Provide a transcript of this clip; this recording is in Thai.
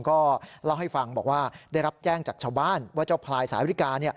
ก็เล่าให้ฟังบอกว่าได้รับแจ้งจากชาวบ้านว่าเจ้าพลายสายริกา